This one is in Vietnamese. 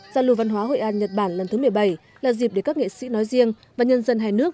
giao lưu văn hóa hội an nhật bản lần thứ một mươi bảy là dịp để các nghệ sĩ nói riêng và nhân dân hai nước